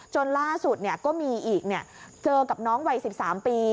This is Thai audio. ล่าสุดก็มีอีกเจอกับน้องวัย๑๓ปี